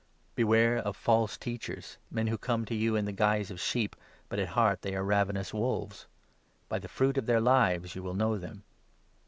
True and false Beware of false Teachers— men who come to Teachers, you in the guise of sheep, but at heart they are ravenous wolves. By the fruit of their lives you will know them.